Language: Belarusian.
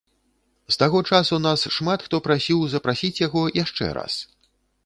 З таго часу нас шмат хто прасіў запрасіць яго яшчэ раз.